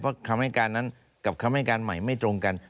เพราะคำให้การนั้นกับคำให้การใหม่ไม่ตรงกัน